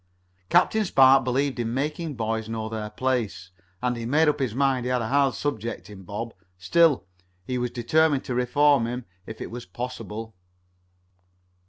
Captain Spark believed in making boys know their place, and he made up his mind he had a hard subject in Bob. Still, he was determined to reform him if it was possible.